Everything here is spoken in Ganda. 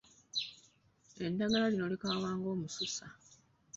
Eddagala lino likaawa nga Omususa.